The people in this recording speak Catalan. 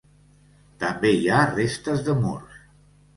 També hi ha restes de murs.